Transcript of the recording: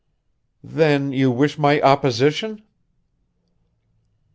"Then you wish my opposition?"